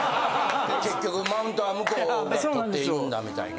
結局マウントは向こうが取っているんだみたいな。